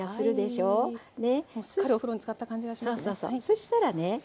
そしたらね